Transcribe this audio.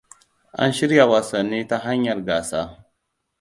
An shirya wasannin ta hanyar gasa.